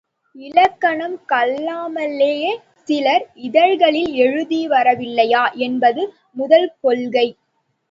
இலக்கணம் கல்லாமலேயே சிலர் இதழ்களில் எழுதிவரவில்லையா என்பது முதல் கொள்கை.